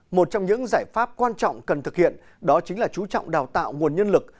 một trong những giải pháp quan trọng cần thực hiện đó chính là chú trọng đào tạo nguồn nhân lực